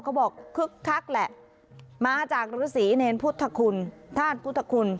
เขาบอกคึกคักแหละมาจากฤษีเนรนฟุธคุณท่านฟุธคุณ